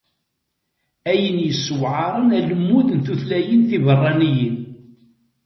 Ayen yessewεaren alemmud n tutlayin tibeṛṛaniyin.